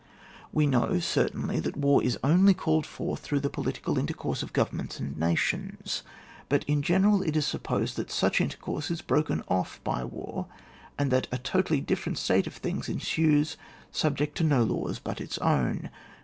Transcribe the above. We know, certainly, that war is only called forth through the political inter course of G ovemments and nations ; but in general it is supposed that such inter course is broken off by war, and that a totally different state of things ensues, subject to no laws but its own.